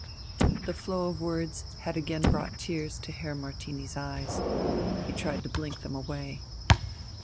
The flow of words had again brought tears to Herr Martini's eyes. He tried to blink them away.